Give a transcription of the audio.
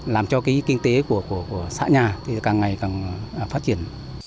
làm cho cái kinh tế của xã nhà thì càng ngày càng phát triển